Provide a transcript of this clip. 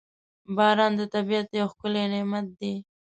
• باران د طبیعت یو ښکلی نعمت دی.